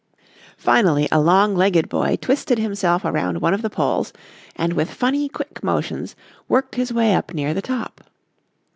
] Finally a long legged boy twisted himself around one of the poles and with funny, quick motions worked his way up near the top.